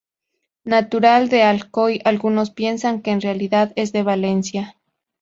Natural de Alcoy, algunos piensan que en realidad es de Valencia.